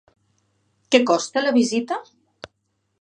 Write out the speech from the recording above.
Que costa la visita?